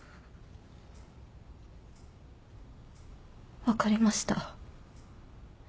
分かりました。